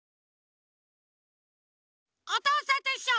「おとうさんといっしょ」